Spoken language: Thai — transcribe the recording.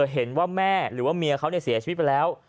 เห็นว่าแม่หรือว่าเมียเขาเสียชีวิตไปแล้ว